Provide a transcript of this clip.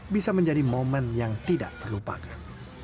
bisa menjadi momen yang tidak terlupakan